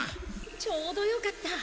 ちょうどよかった！